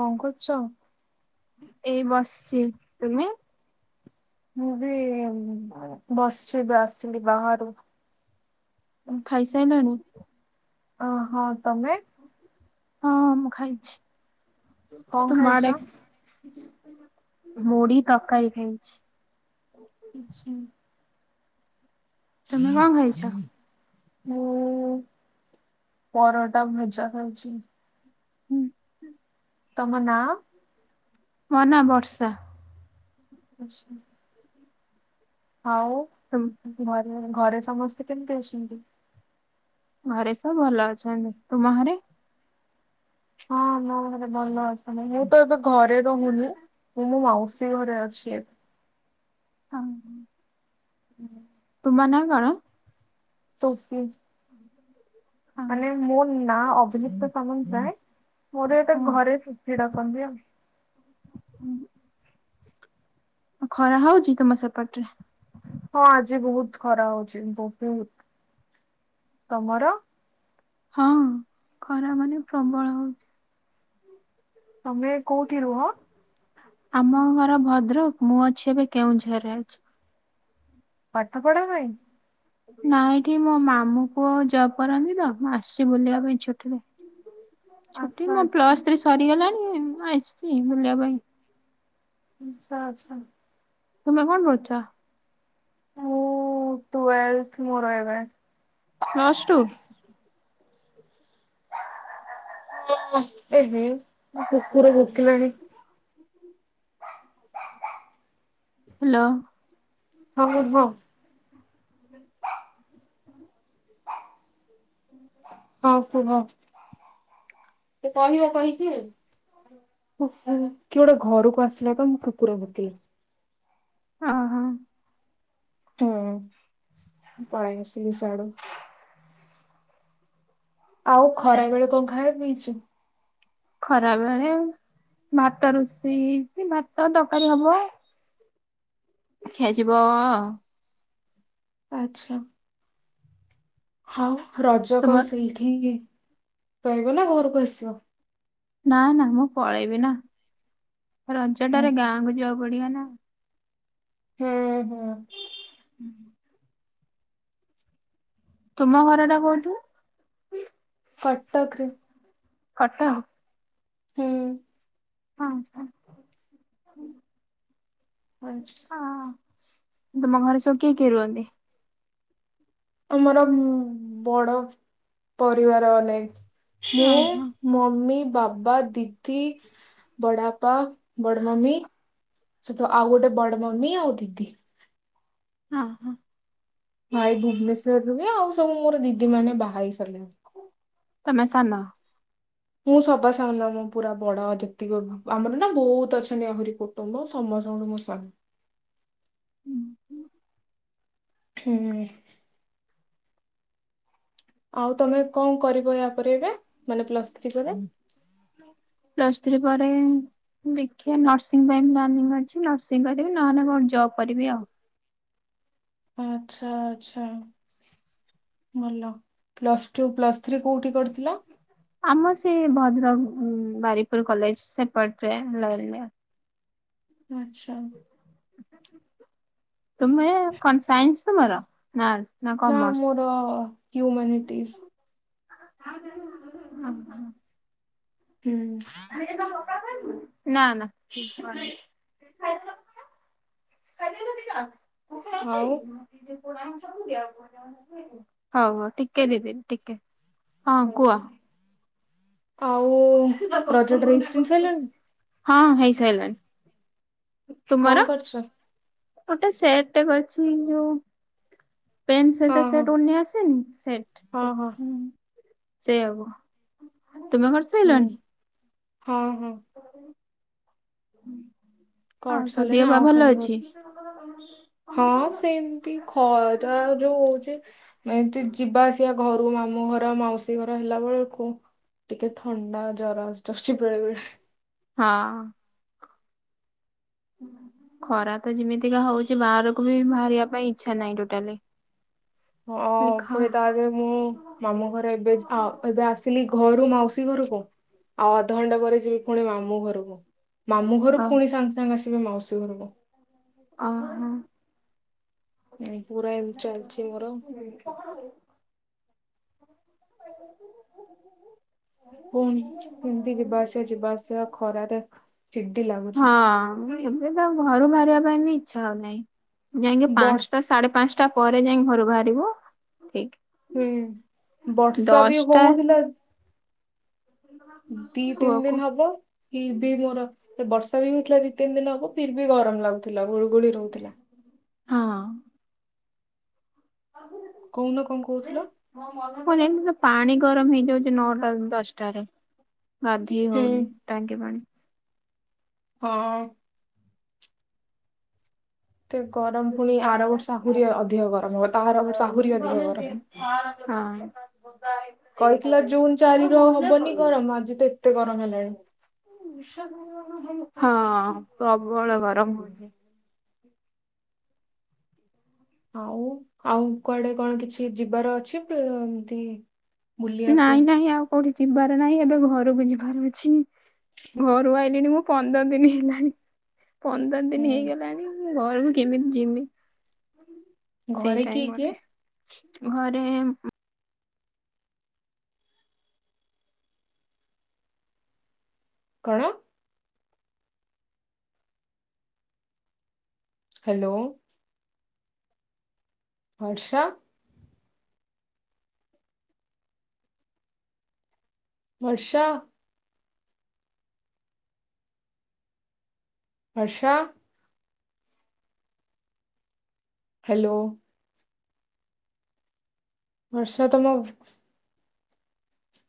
କଣ କରୁଛ? ଏଇ ବସିଛି, ତୁମେ? ମୁଁ ବି ବସିଛି, ଏବେ ଆସିଲି ବାହାରୁ ଖାଇସାଇଲଣି? ଅ ହଁ ତମେ? ହଁ ମୁଁ ଖାଇଛି, କଣ ତୁମ ଖାଇଛ? ଆଡେ ମୁଢି ତରକାରୀ ଖାଇଛି ଆଛା ତୁମେ କଣ ଖାଇଛ? [unintelligible] ମୁଁ ପରଟା ଭଜା ଖାଉଛି ହୁଁ ହଁ ତମ ନାଁ ମୋ ନାଁ ବର୍ଷା। ଆଛା। ଆଉ ତମ୍ ଘରେ ଘରେ ସମସ୍ତେ କେମିତି ଅଛନ୍ତି? ଘରେ ସବୁ ଭଲ ଅଛନ୍ତି, ତୁମ ଘରେ? ହଁ ମୋ ଘରେ ଭଲ ଅଛନ୍ତି। ତ ଏବେ ଘରେ ରହୁନି, ମୁଁ ମୋ ମାଉସୀ ଘରେ ଅଛି ଏବେ। [unintelligible] [inaudible] ତୁମ ନାଁ କଣ? ସୁଫି। [inaudible] ମାନେ ମୋ ନାଁ ଅଭିଲିପ୍ତା ସାମନ୍ତରାଏ, ମୋର ଏଟା ଘରେ ସୁଫି ଡାକନ୍ତି ଆଉ [unintelligible] ଖରା ହଉଛି ତମ ସେପଟରେ? ହଁ ଆଜି ବହୁତ ଖରା ହଉଛି, ବହୁତ, ତମର? ହଁ ଖରା ମାନେ ପ୍ରବଳ ହଉଛି। ତମେ କୋଉଠି ରୁହ? ଆମ ଘର ଭଦ୍ରକ। ମୁଁ ଅଛି ଏବେ କେଉଁଝରରେ ଅଛି। ପାଠ ପଢା ପାଇଁ ନାଇଁ ଏଠି ମୋ ମାମୁଁ ପୁଅ ଜବ୍ କରନ୍ତି ତ ମୁଁ ଆସିଛି ବୁଲିବା ପାଇଁ ଛୁଟିରେ ଛୁଟି ଆଚ୍ଛା ମୋ ପ୍ଲସ ଆଚ୍ଛା ଥ୍ରୀ ସରିଗଲାଣି ମୁଁ ଆସିଛି ବୁଲିବା ପାଇଁ। ଆଚ୍ଛା ଆଚ୍ଛା। ତୁମେ କଣ କରୁଛ? ଟୁୱେଲଥ ମୋର ଏବେ ପ୍ଲସ୍ ଟୁ। ଉଁ ଏହେ ମୋ କୁକୁର ଭୁକିଲାଣି। ହେଲୋ। [unintelligible] ହଁ। [unintelligible] ହୁଁ। ହଁ କୁହ। କିଏ ଗୋଟେ ଘରକୁ ଆସିଲା ତ ମୋ କୁକୁର ଭୋକିଲା। ହଁ ହଁ। ହୁଁ ପଳେଇବେ ସିଏ ସେଆଡୁ। ଆଉ ଖରା ବେଳେ କଣ ଖାଇବା ପାଇଁ ହେଇଛି? ଖରା ବଳେ ଭାତ ରୋଷେଇ ହେଇଛି ଭାତ ତକାରୀ ହବ। ଖିଆଯିବ ଆଚ୍ଛା। ହଉ ରଜକୁ ତୁମ ସେଇଠି ରହିବ ନା ଘରକୁ ଆସିବ? ନା ନା ମୁଁ ପଳେଇବି ନା। ହୁଁ ରଜଟାରେ ଗାଁକୁ ଯିବାକୁ ପଡିବ ନା। ହୁଁ ହୁଁ। ହୁଁ। ତୁମ ଘରଟା କୋଉଠି? କଟକ ରେ। କାଟକ। ହୁଁ। ହଁ ହଁ ହୁଁ ଆଚ୍ଛା। ଅ। ତୁମ ଘରେ ସବୁ କିଏ କିଏ ରୁହନ୍ତି? ଆମର ଉମ ବଡ ପରିବାର ଅନେକ ମୁଁ ଓହୋ ମମି ବାବ ବା, ଦିଦି, ବଡାପା, ବଡ ମମି ସେଟୁ ଆଉ ଗୋଟେ ବଡ ମମି ଆଉ ଦିଦି। ହଁ ହଁ। ଭାଇ ଭୁବନେଶ୍ୱର ରୁହେ ଆଉ ସବୁ ମୋର ଦିଦି ମାନେ ବାହା ହେଇସାରିଲେଣି। ତମେ ସାନ। ମୁଁ ସବାସାନ ମ ପୁରା ବଡ ଯେତିକି ଆମର ନା ବହୁତ ଅଛନ୍ତି ଆହୁରି କୋ ତମ ସମସ୍ତଠୁ ମୁଁ ସାନ। ହୁଁ ହୁଁ। ହୁଁ। ଆଉ ତମେ କଣ କରିବ ୟା ପରେ ଏବେ ମାନେ ପ୍ଲସ ଥ୍ରୀ ପରେ? ପ୍ଲସ ଥ୍ରୀ ପରେ ଦେଖିବା ନର୍ସିଂ ପାଇଁ ପ୍ଲାନିଂ ଅଛି ନର୍ସିଂ କରିବି ନହେଲେ କୋଉଠି ଜବ୍ କରିବି ଆଉ। ଆଚ୍ଛା ଆଚ୍ଛା। ଭଲ ପ୍ଲସ୍ ଟୁ ପ୍ଲସ ଥ୍ରୀ କୋଉଠି କରିଥିଲ? ଆମ ସେଇ ଭଦ୍ରକ ଉଁ ବାରିପୁର କଲେଜ ସେପଟରେ। [unintelligible] ଆଚ୍ଛା। ତୁମେ କଣ ସାଇନ୍ସ ତୁମର ନା ନା ମୋର ହ୍ୟୁମାନିଟିସ୍। ହୁଁ। [unintelligible] [inaudible] ଆଉ [unintelligible] ହଉ ହଉ ଟିକେ ଦିଦି ଟିକେ ହଁ କୁଅ। ଆଉ ରଜ ଡ୍ରେସ୍ କିଣି ସାରିଲଣି? ହଁ ହେଇସାଇଲାଣି। କଁ କରୁଚ? ଗୋଟେ ସେଟଟେ କରିଛି ଯୋଉ ପେଣ୍ଟ ହଁ ସାର୍ଟରେ ହଁ ସେଟ୍ ଓନି ଆସେନି ସେଟ୍ ହଁ କୁ ହଁ ଉଁ ସେଇଆକୁ ତୁମେ କରିଚ୍ ହୁଁ ହଁ ହଁ। ଆଉ କରି ତୋ ସାରିଲିଣି ଧିଅ ପା ଆଉ ଭଲ ଖାଲି ଗୋ- ଅଛି? ହଁ ସେମତି ଖରା ଯୋଉ ହଉଛି। ମୁଁ ଏନ୍ତି ଯିବା ଆସିବା ଘରୁ ମାମୁଁ ଘର ମାଉସୀ ଘର ହେଲା ବେଳୁକୁ ଟିକେ ଥଣ୍ଡା ଜର ଆସିଯାଉଛି ବେଳେବେଳେ। ହଁ। ଖରା ତ ଯିମିତିକା ହଉଚି ବାହାରକୁ ବି ଭାରିବା ପାଇଁ ଇଚ୍ଛା ନାଇଁ ଟୋଟାଲେ। ହଁ ଫୁଣି ତାଧିଏରେ ମୁଁ ମାମୁଁ ଘର ଏବେ ଯ୍ ଆଉ ଏବେ ଆସିଲି ଘରୁ ମାଉସୀ ଘରୁକୁ ଆଉ ଅଧଘଣ୍ଟା ପରେ ଯିବି ଫୁଣି ମାମୁଁ ଘରୁକୁ ମାମୁଁ ଘରୁ ଅ ଫୁଣି ସାଙ୍ଗ୍ ସାଙ୍ଗ୍ ଆସିବି ମାଉସୀ ଘରୁକୁ। ଅ ହୋଁ। ଏଁଇଁ ପୁରା ଏମତି ଚାଲଛି ମୋର। [inaudible] ପୁଣି ଇମତି ଯିବା ଆସିବା ଯିବା ଆସିବା ଖରାରେ ଚିଡି ଲାଗୁଛି। ହଁ ମୁଁ କଇଲି ଏବେ ତ ଆଉ ଘରୁ ବାହାରିବା ପାଇଁ ବି ଇଚ୍ଛା ହଉ ନାଇଁ ଯାଇଁକି ବଡ ପାଂଶଟା ସା ସାଡେ ପାଂଶଟା ପରେ ଯାଇଁ ଘରୁ ବାହାରିବୁ ଠିକ୍। ହୁଁ ବର୍ଷା ବି ହଉଥିଲା। ଦି ତିନ କୂଅକୁ ଦିନ ହବ ଫିର୍ ଭି ମୋର ଏ ବର୍ଷା ବି ହୋଇଥିଲା ଦି ତିନ ଦିନ ହବ। ଫିର୍ ବି ଗରମ ଲାଗୁଥିଲା ଗୁଳୁଗୁଳି ରହୁଥିଲା। ହଁ। [inaudible] କହୁନ କଁ କହୁଥିଲ? ହଁ ଯେମତି ପୁରା ପାଣି ଗରମ ହେଇଯାଉଚି ନଅଟାରୁ ଦଶଟାରେ। ଗାଧେଇ ହୁଁ ହଉନି ଟାଙ୍କି ପାଣି। ହଁ। ଏତେ ଗରମ ଫୁଣି ଆର ବର୍ଷ ଆହୁରି ଅ ଅଧିକ ଗରମ ହବ ତା ଆର ବର୍ଷ ଆହୁରି ଅଧିକ ଗରମ। ହଁ। କହିଥିଲା ଜୁନ୍ ଚାରିରୁ ଆଉ ହବନି ଗରମ ଆଜି ତ ଏତେ ଗରମ ହେଲାଣି। ହଁ ପ୍ରବଳ ଗରମ ହଉଛି। ଆଉ ଆଉ କୁଆଡେ କଣ କିଛି ଯିବାର ଅଛି ପ୍ଲ ଏମତି? ବୁଲିବାକୁ ନାଇଁ ନାଇଁ ଆଉ କୋଉଠି ଯିବାର ନାହିଁ ଏବେ ଘରୁକୁ ଯିବାର ଅଛି ଘରୁ ଆଇଲିଣି ମୁଁ ପନ୍ଦର ଦିନି ହେଲାଣି ପନ୍ଦର ଦିନି ହୁଁ ହେଇଗଲାଣି। ମୁଁ ଘରୁକୁ କେମିତି ଯିବି ସେଇ ଘରେ କିଏ କିଏ? ଟାଇମରେ। ଘରେ ଉଁ କଣ? ହ୍ୟାଲୋ। ହର୍ଷା। ବର୍ଷା। ବର୍ଷା। ହ୍ୟାଲୋ। ବର୍ଷା ତମ